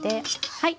はい。